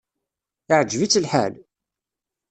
Iεǧeb-itt lḥal?